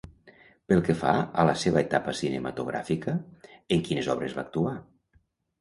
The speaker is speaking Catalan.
Pel que fa a la seva etapa cinematogràfica, en quines obres va actuar?